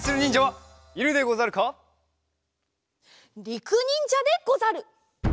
りくにんじゃでござる！